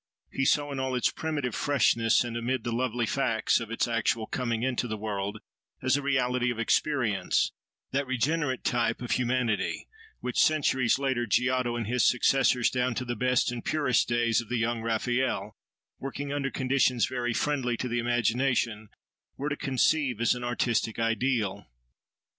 He saw, in all its primitive freshness and amid the lively facts of its actual coming into the world, as a reality of experience, that regenerate type of humanity, which, centuries later, Giotto and his successors, down to the best and purest days of the young Raphael, working under conditions very friendly to the imagination, were to conceive as an artistic ideal.